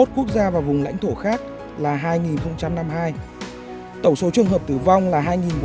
hai mươi một quốc gia và vùng lãnh thổ khác là hai năm mươi hai tổng số trường hợp tử vong là hai bốn trăm bảy